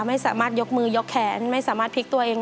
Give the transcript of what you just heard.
ไม่สามารถยกมือยกแขนไม่สามารถพลิกตัวเอง